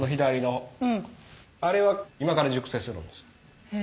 あれは今から熟成するんです。